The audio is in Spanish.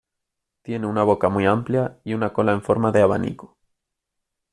Tiene una boca muy amplia y una cola en forma de abanico.